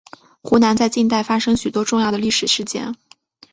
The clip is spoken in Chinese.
湖南在近代发生许多重要的历史事件。